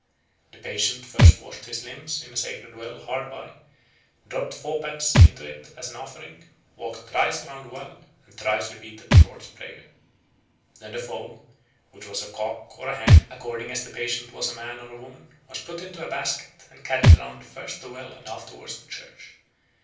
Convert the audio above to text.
The patient first washed his limbs in a sacred well hard by, dropped fourpence into it as an offering, walked thrice round the well, and thrice repeated the Lord's prayer. Then the fowl, which was a cock or a hen according as the patient was a man or a woman, was put into a basket and carried round first the well and afterwards the church.